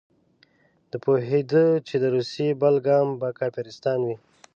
ده پوهېده چې د روسیې بل ګام به کافرستان وي.